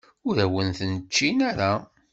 Ur awen-ten-ččin ara.